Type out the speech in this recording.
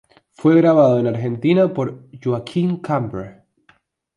Fue grabado en Argentina por Joaquín Cambre.